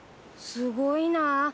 すごいなあ。